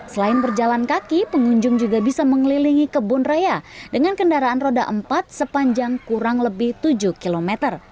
selain berjalan kaki pengunjung juga bisa mengelilingi kebun raya dengan kendaraan roda empat sepanjang kurang lebih tujuh km